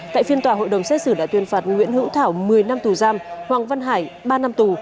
tại phiên tòa hội đồng xét xử đã tuyên phạt nguyễn hữu thảo một mươi năm tù giam hoàng văn hải ba năm tù